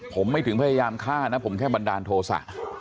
ผมไม่ถึงพยายามฆ่านะผมแค่บันดาลโทษะ